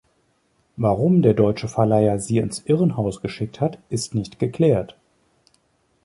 Warum der deutsche Verleiher sie ins Irrenhaus geschickt hat, ist nicht geklärt.